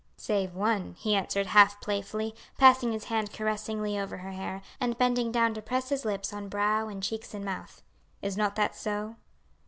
"Save one," he answered half playfully, passing his hand caressingly over her hair, and bending down to press his lips on brow, and cheeks, and mouth. "Is not that so?"